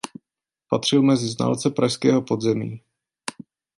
Patřil mezi znalce pražského podzemí.